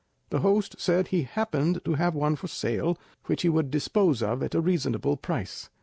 The host said he happened to have one for sale which he would dispose of at a reasonable price.